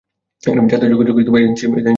জাতীয় যোগাযোগ এজেন্সি এটি নিয়ন্ত্রণ করে থাকে।